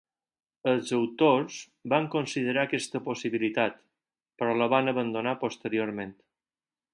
Els autors van considerar aquesta possibilitat, però la van abandonar posteriorment.